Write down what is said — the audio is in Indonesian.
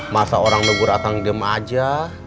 masa orang negara tanggung aja